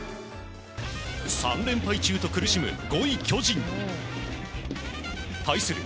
３連敗中と苦しむ５位巨人。対する